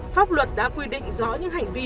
pháp luật đã quy định rõ những hành vi